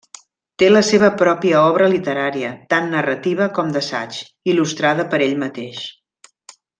Té la seva pròpia obra literària, tant narrativa com d'assaig, il·lustrada per ell mateix.